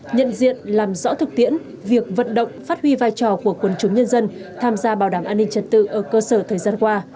nhận diện làm rõ thực tiễn việc vận động phát huy vai trò của quân chúng nhân dân tham gia bảo đảm an ninh trật tự ở cơ sở thời gian qua